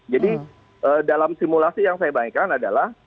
jadi dalam simulasi yang saya bayangkan adalah